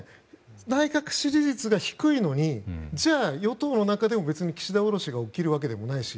内閣支持率が低いのにじゃあ、与党の中でも別に岸田降ろしが起きるわけでもないし。